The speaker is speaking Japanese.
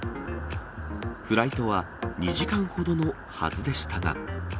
フライトは２時間ほどのはずでしたが。